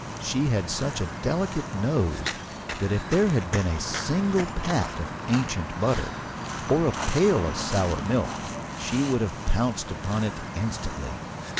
She had such a delicate nose that if there had been a single pat of ancient butter or a pail of sour milk she would have pounced upon it instantly.